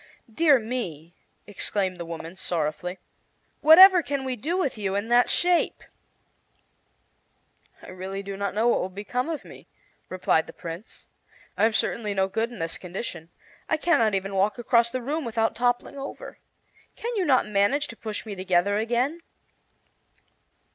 "Dear me!" exclaimed the woman, sorrowfully, "whatever can we do with you in that shape?" "I really do not know what will become of me," replied the Prince. "I am certainly no good in this condition. I can not even walk across the room without toppling over. Can not you manage to push me together again?"